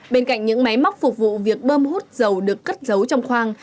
bên cạnh những máy móc phục vụ việc bơm hút dầu được cất giấu trong khoang